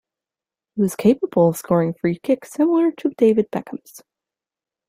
He was capable of scoring free kicks similar to David Beckham's.